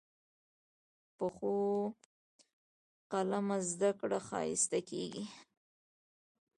پخو قلمه زده کړه ښایسته کېږي